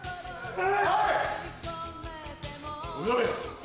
はい！